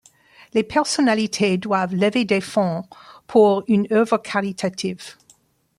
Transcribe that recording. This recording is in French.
Les personnalités doivent lever des fonds pour une œuvre caritative.